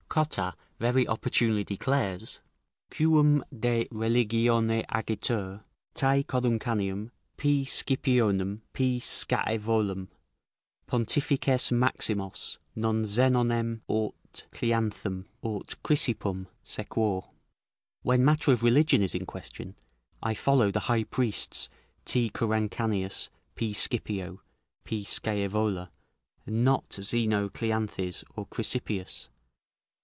Cotta very opportunely declares: "Quum de religione agitur, Ti. Coruncanium, P. Scipionem, P. Scaevolam, pontifices maximos, non Zenonem, aut Cleanthem, aut Chrysippum, sequor." ["When matter of religion is in question, I follow the high priests T. Coruncanius, P. Scipio, P. Scaevola, and not Zeno, Cleanthes, or Chrysippus."